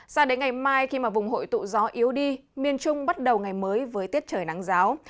sao đến ngày mai khi vùng hội tụ gió yếu đi miền trung bắt đầu ngày mới với tiết trời nắng giáo